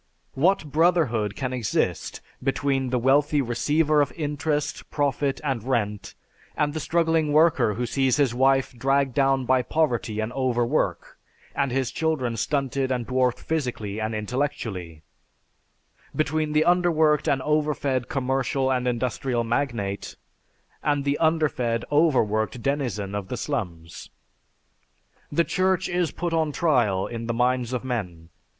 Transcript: What brotherhood can exist between the wealthy receiver of interest, profit, and rent and the struggling worker who sees his wife dragged down by poverty and overwork, and his children stunted and dwarfed physically and intellectually between the underworked and overfed commercial or industrial magnate and the underfed, overworked denizen of the slums? ... The Church is put on trial in the minds of men.